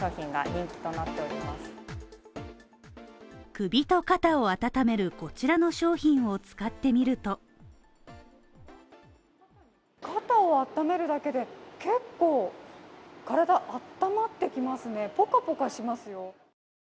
首と肩を温めるこちらの商品を使ってみると肩を温めるだけで結構体温まってきますねポカポカしますよ。